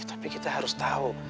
tapi kita harus tau